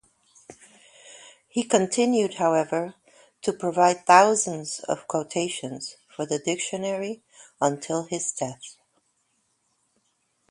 He continued, however, to provide thousands of quotations for the dictionary until his death.